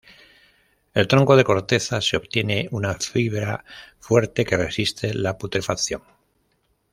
El tronco de corteza se obtiene una fibra fuerte que resiste la putrefacción.